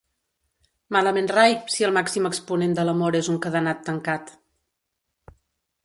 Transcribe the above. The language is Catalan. Malament rai, si el màxim exponent de l'amor és un cadenat tancat!